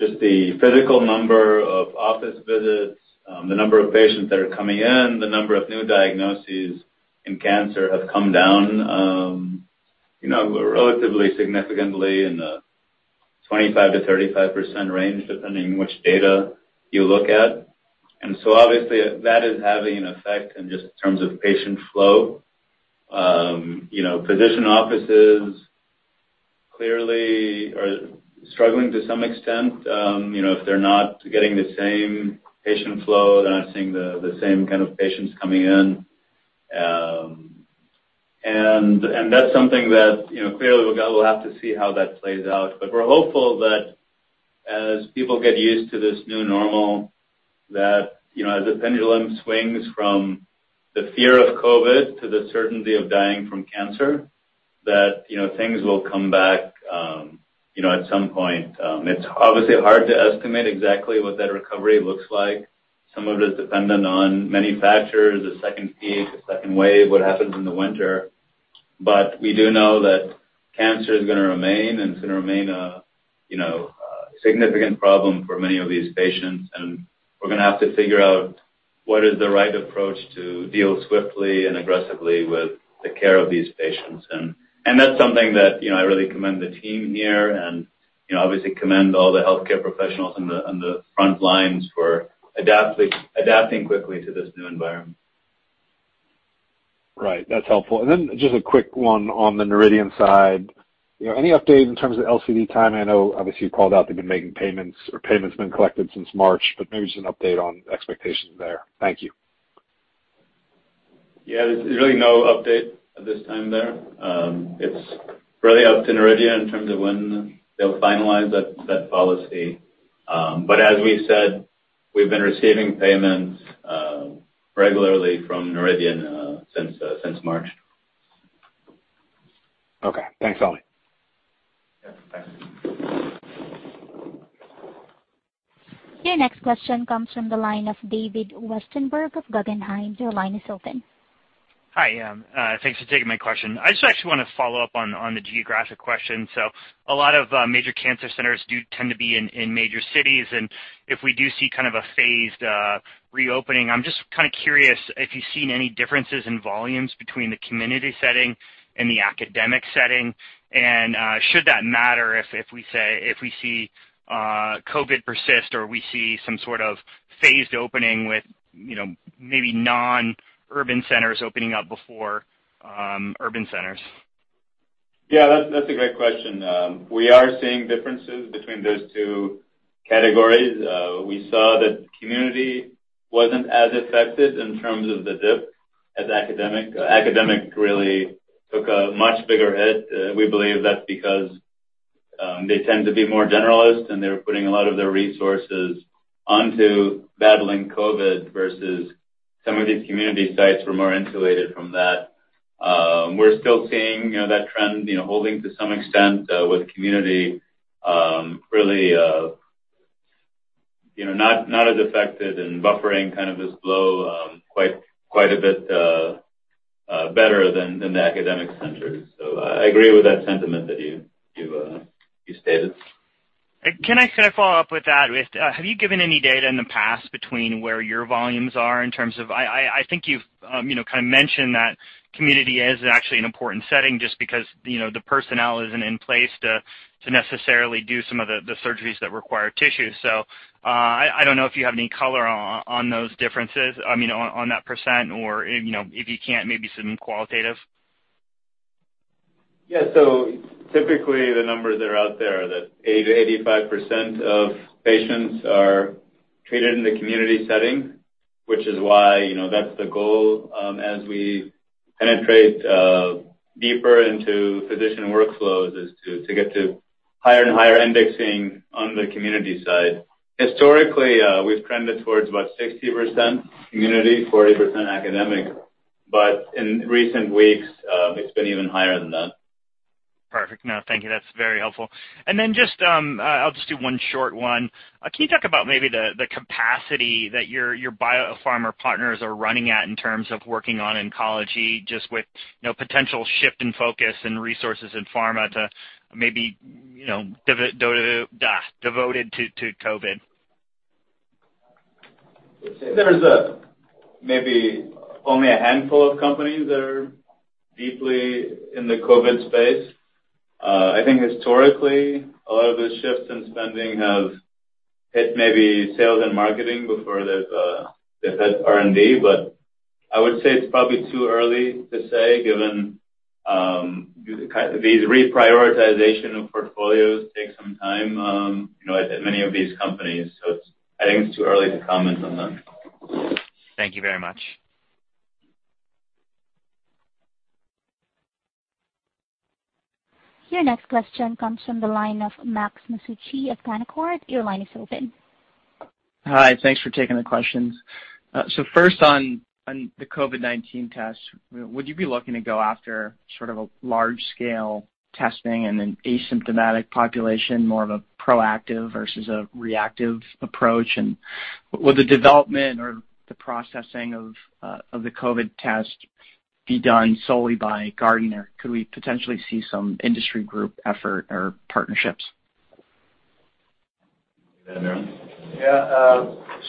just the physical number of office visits, the number of patients that are coming in, the number of new diagnoses in cancer have come down relatively significantly in the 25%-35% range, depending on which data you look at. Obviously that is having an effect in just in terms of patient flow. Physician offices clearly are struggling to some extent. If they're not getting the same patient flow, they're not seeing the same kind of patients coming in. That's something that clearly we'll have to see how that plays out. We're hopeful that as people get used to this new normal, that as the pendulum swings from the fear of COVID to the certainty of dying from cancer, that things will come back at some point. It's obviously hard to estimate exactly what that recovery looks like. Some of it is dependent on many factors, a second peak, a second wave, what happens in the winter. We do know that cancer is going to remain, and it's going to remain a significant problem for many of these patients, and we're going to have to figure out what is the right approach to deal swiftly and aggressively with the care of these patients. That's something that I really commend the team here and obviously commend all the healthcare professionals on the front lines for adapting quickly to this new environment. Right. That's helpful. Just a quick one on the Noridian side. Any update in terms of LCD time? I know obviously you called out they've been making payments or payments been collected since March, but maybe just an update on expectations there. Thank you. Yeah. There's really no update at this time there. It's really up to Noridian in terms of when they'll finalize that policy. As we said, we've been receiving payments regularly from Noridian since March. Okay. Thanks, Ali. Yeah. Thanks. Your next question comes from the line of David Westenberg of Guggenheim. Your line is open. Hi. Thanks for taking my question. I just actually want to follow up on the geographic question. A lot of major cancer centers do tend to be in major cities, and if we do see a phased reopening, I'm just curious if you've seen any differences in volumes between the community setting and the academic setting, and should that matter if we see COVID persist or we see some sort of phased opening with maybe non-urban centers opening up before urban centers? Yeah, that's a great question. We are seeing differences between those two categories. We saw that community wasn't as affected in terms of the dip as academic. Academic really took a much bigger hit. We believe that's because they tend to be more generalist, and they're putting a lot of their resources onto battling COVID, versus some of these community sites were more insulated from that. We're still seeing that trend holding to some extent, with community really not as affected and buffering this blow quite a bit better than the academic centers. I agree with that sentiment that you stated. Can I follow up with that? Have you given any data in the past between where your volumes are in terms of, I think you've mentioned that community is actually an important setting just because the personnel isn't in place to necessarily do some of the surgeries that require tissue. I don't know if you have any color on those differences, I mean, on that percent or, if you can't, maybe some qualitative. Yeah. Typically, the numbers that are out there are that 80%-85% of patients are treated in the community setting, which is why that's the goal as we penetrate deeper into physician workflows, is to get to higher and higher indexing on the community side. Historically, we've trended towards about 60% community, 40% academic. In recent weeks, it's been even higher than that. Perfect. No, thank you. That's very helpful. I'll just do one short one. Can you talk about maybe the capacity that your biopharma partners are running at in terms of working on oncology, just with potential shift in focus and resources in pharma to maybe devoted to COVID? There's maybe only a handful of companies that are deeply in the COVID space. I think historically, a lot of the shifts in spending have hit maybe sales and marketing before they've hit R&D. I would say it's probably too early to say, given these reprioritization of portfolios take some time at many of these companies. I think it's too early to comment on that. Thank you very much. Your next question comes from the line of Max Masucci of Canaccord. Your line is open. Hi. Thanks for taking the questions. First on the COVID-19 test, would you be looking to go after sort of a large-scale testing in an asymptomatic population, more of a proactive versus a reactive approach? Will the development or the processing of the COVID test be done solely by Guardant, or could we potentially see some industry group effort or partnerships? Yeah.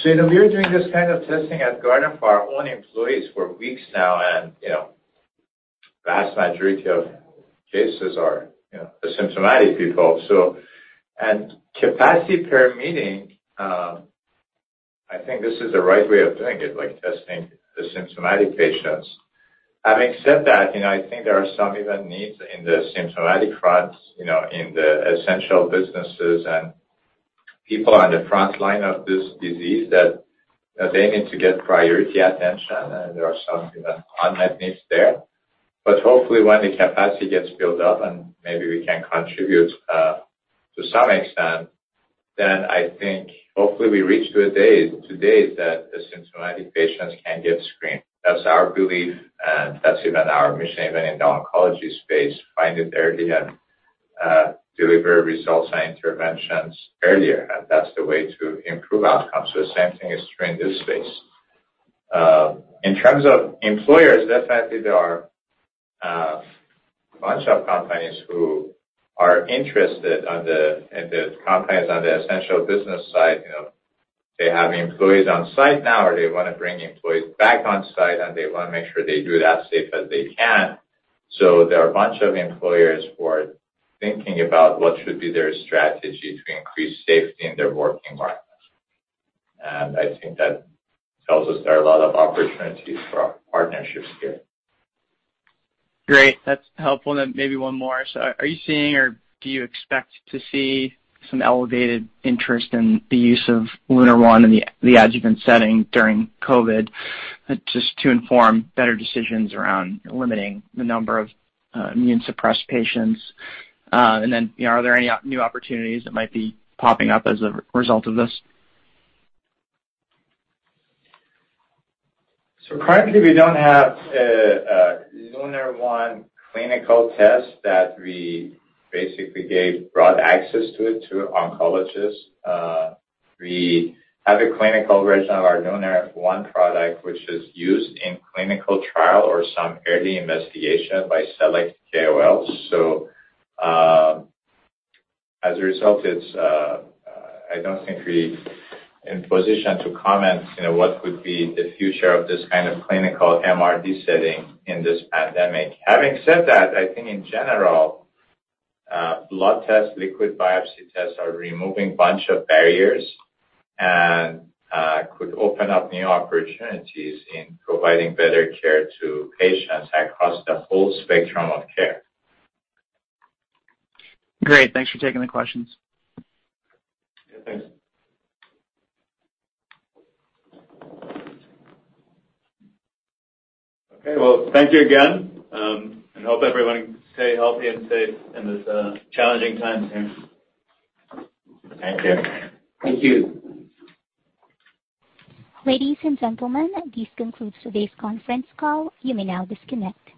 We've been doing this kind of testing at Guardant for our own employees for weeks now, and vast majority of cases are symptomatic people. Capacity permitting, I think this is the right way of doing it, like testing the symptomatic patients. Having said that, I think there are some even needs in the symptomatic front, in the essential businesses and people on the front line of this disease that they need to get priority attention, and there are some unmet needs there. Hopefully when the capacity gets built up and maybe we can contribute to some extent, then I think hopefully we reach to a day that asymptomatic patients can get screened. That's our belief, and that's even our mission even in the oncology space, find it early and deliver results and interventions earlier. That's the way to improve outcomes. The same thing is true in this space. In terms of employers, definitely there are a bunch of companies who are interested and the companies on the essential business side, they have employees on site now, or they want to bring employees back on site, and they want to make sure they do that safe as they can. There are a bunch of employers who are thinking about what should be their strategy to increase safety in their working environment. I think that tells us there are a lot of opportunities for partnerships here. Great. That's helpful. Then maybe one more. Are you seeing or do you expect to see some elevated interest in the use of LUNAR-1 in the adjuvant setting during COVID, just to inform better decisions around limiting the number of immunosuppressed patients? Then, are there any new opportunities that might be popping up as a result of this? Currently, we don't have a LUNAR-1 clinical test that we basically gave broad access to it to oncologists. We have a clinical version of our LUNAR-1 product, which is used in clinical trial or some early investigation by select KOLs. As a result, I don't think we're in position to comment what would be the future of this kind of clinical MRD setting in this pandemic. Having said that, I think in general, blood tests, liquid biopsy tests are removing bunch of barriers and could open up new opportunities in providing better care to patients across the whole spectrum of care. Great. Thanks for taking the questions. Yeah. Thanks. Okay. Well, thank you again. Hope everyone can stay healthy and safe in this challenging time here. Thank you. Thank you. Ladies and gentlemen, this concludes today's conference call. You may now disconnect.